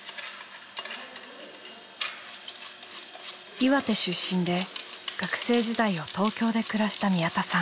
岩手出身で学生時代を東京で暮らした宮田さん。